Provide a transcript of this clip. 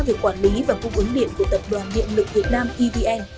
về quản lý và cung ứng điện của tập đoàn điện lực việt nam evn